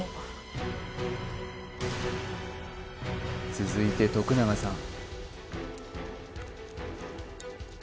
続いて永さん